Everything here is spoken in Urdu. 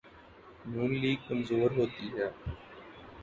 ن لیگ کمزور ہوتی ہے۔